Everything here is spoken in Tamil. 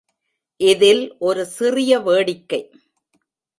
இதில் ஒரு சிறிய வேடிக்கை.